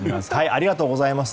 ありがとうございます。